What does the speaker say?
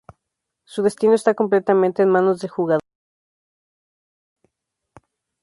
Su destino está completamente en manos del jugador.